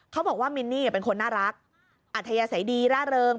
เขาบอกว่ามินนี่เป็นคนน่ารักอัธยาศัยดีร่าเริง